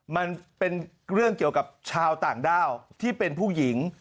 มันเป็นเรื่องเกี่ยวกับชาวต่างด้าวที่เป็นผู้หญิง